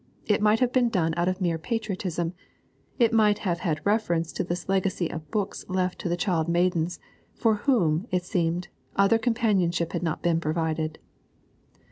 It might have been done out of mere patriotism; it might have had reference to this legacy of books left to the child maidens, for whom, it seemed, other companionship had not been provided.